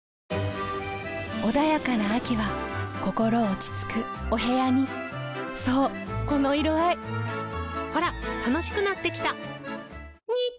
穏やかな秋は心落ち着くお部屋にそうこの色合いほら楽しくなってきた！